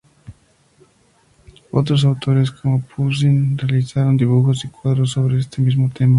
Otros autores, como Poussin, realizaron dibujos y cuadros sobre este mismo tema.